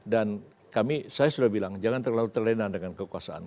dan kami saya sudah bilang jangan terlalu terlena dengan kekuasaan